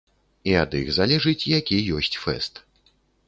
І ад іх залежыць, які ёсць фэст.